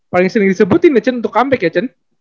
paling sering disebutin ya cen untuk comeback ya cen